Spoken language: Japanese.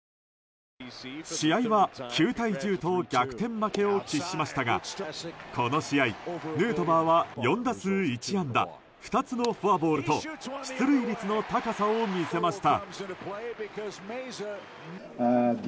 試合は９対１０と逆転負けを喫しましたがこの試合、ヌートバーは４打数１安打２つのフォアボールと出塁率の高さを見せました。